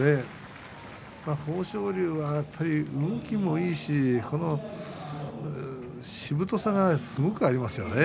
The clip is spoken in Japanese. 豊昇龍は動きもいいししぶとさがすごくありますよね。